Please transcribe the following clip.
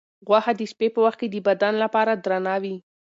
غوښه د شپې په وخت کې د بدن لپاره درنه وي.